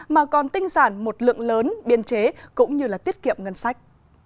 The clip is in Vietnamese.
mà còn tinh giản một lượng lớn biên chế cũng như tiết kiệm ngân sách